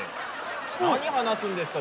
何話すんですか？